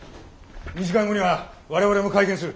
２時間後には我々も会見する。